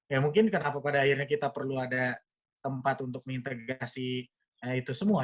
ya mungkin kenapa pada akhirnya kita perlu ada tempat untuk mengintegrasi itu semua